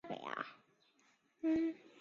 筑波是大日本帝国海军的巡洋战舰。